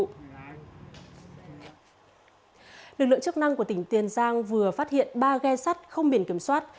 lực lượng chức năng của tỉnh tiền giang vừa phát hiện ba ghe sắt không biển kiểm soát